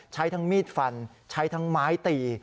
ใช้ทั้งมีดฟันใช้ทั้งไม้ตี